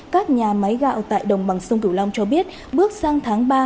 các nhà máy gạo tại đồng bằng sông cửu long cho biết bước sang tháng ba